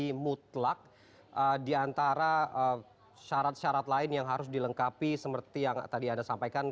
ini mutlak diantara syarat syarat lain yang harus dilengkapi seperti yang tadi anda sampaikan